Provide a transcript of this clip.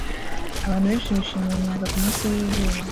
Abantu benshi bishimira inyanja kumunsi wizuba